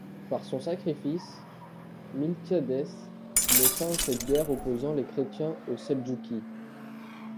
Par son sacrifice, Miltiadès met fin à cette guerre opposant les chrétiens aux Seldjoukis.